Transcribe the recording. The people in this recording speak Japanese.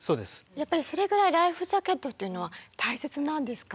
やっぱりそれぐらいライフジャケットっていうのは大切なんですか？